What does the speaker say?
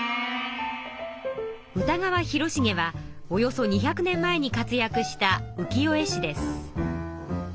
歌川広重はおよそ２００年前に活やくした浮世絵師です。